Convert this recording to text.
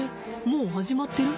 もう始まってる？